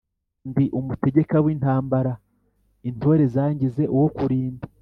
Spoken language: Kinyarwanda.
ndi umutegeka w'intambara intore zangize uwo kulinda.